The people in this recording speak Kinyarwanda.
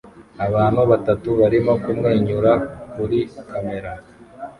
Abantu batatu barimo kumwenyura kuri kamera